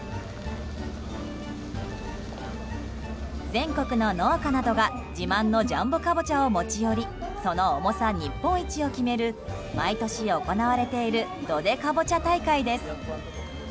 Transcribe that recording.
全国の農家などが、自慢のジャンボカボチャを持ち寄りその重さ日本一を決める毎年行われているどでカボチャ大会です。